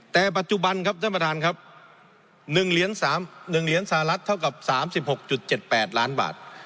แต่ปัจจุบันครับท่านประธานครับ๑เหรียญสหรัฐเท่ากับ๓๖๗๘ล้านบาท